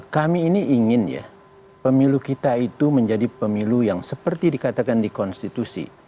kami ini ingin ya pemilu kita itu menjadi pemilu yang seperti dikatakan di konstitusi